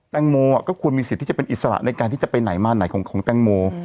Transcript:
แตงโมก็ควรมีสิทธิ์ที่จะเป็นอิสระในการที่จะไปไหนมาไหนของแตงโม